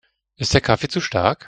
Ist der Kaffee zu stark?